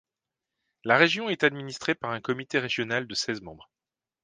La région est administrée par un comité régional de seize membres.